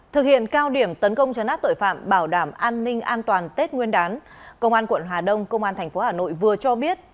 thực hiện cao điểm tấn công chấn áp tội phạm bảo đảm an ninh an toàn tết nguyên đán công an quận hà đông công an tp hà nội vừa cho biết